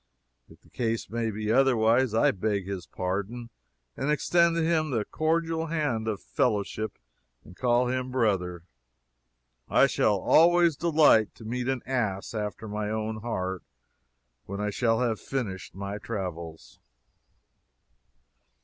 If the case be otherwise, I beg his pardon and extend to him the cordial hand of fellowship and call him brother. I shall always delight to meet an ass after my own heart when I shall have finished my travels.